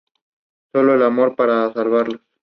Sólo el amor podrá salvarlos.